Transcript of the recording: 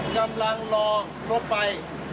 กำลังรอรถไฟ